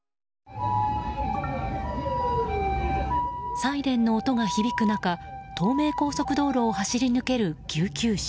サイレンの音が響く中東名高速道路を走り抜ける救急車。